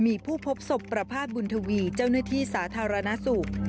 มีผู้พบศพประพาทบุญทวีเจ้าหน้าที่สาธารณสุข